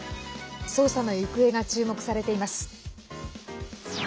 捜査の行方が注目されています。